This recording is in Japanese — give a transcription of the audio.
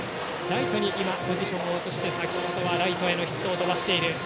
ライトにポジションを移して先ほどはライトへのヒットを飛ばしています。